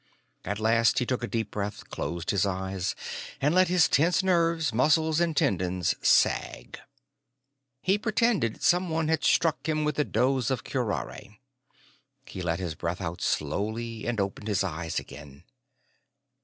At last, he took a deep breath, closed his eyes, and let his tense nerves, muscles, and tendons sag he pretended someone had struck him with a dose of curare. He let his breath out slowly and opened his eyes again.